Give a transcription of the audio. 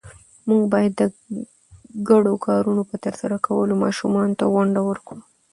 موږ باید د ګډو کارونو په ترسره کولو ماشومانو ته ونډه ورکړو